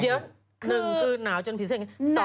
เดี๋ยวหนึ่งคือหนาวจนผีเสื้ออย่างนี้